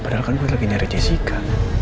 padahal kan gue lagi nyari jessica